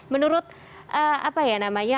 menurut apa ya namanya